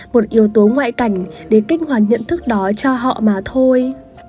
một yếu tố ngoại cảnh để kích hoạt nhận thức đó cho họ mà thôi